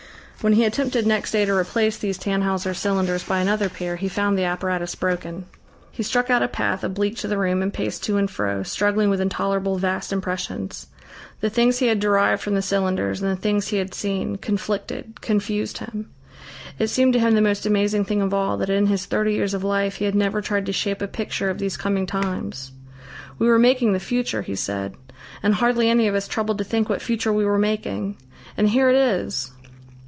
When he attempted next day to replace these Tannhauser cylinders by another pair, he found the apparatus broken.... He struck out a path oblique to the room and paced to and fro, struggling with intolerable vast impressions. The things he had derived from the cylinders and the things he had seen, conflicted, confused him. It seemed to him the most amazing thing of all that in his thirty years of life he had never tried to shape a picture of these coming times. "We were making the future," he said, "and hardly any of us troubled to think what future we were making. And here it is!"